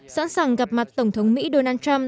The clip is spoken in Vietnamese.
sẵn sàng gặp mặt tổng thống mỹ donald trump